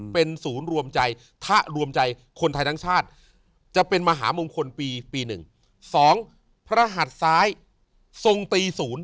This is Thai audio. เป็นศูนย์รวมใจถ้ารวมใจคนไทยทั้งชาติจะเป็นมหามงคลปีปี๑๒พระหัสซ้ายทรงตีศูนย์